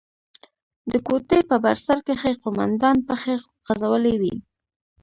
د کوټې په بر سر کښې قومندان پښې غځولې وې.